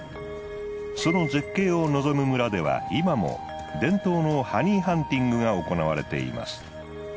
その絶景を望む村では今も伝統のハニーハンティングが行われています。